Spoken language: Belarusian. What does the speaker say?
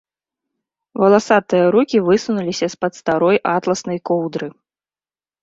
Валасатыя рукі высунуліся з-пад старой атласнай коўдры.